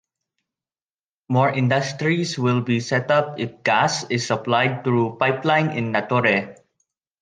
More industries will be set up if gas is supplied through pipeline in Natore.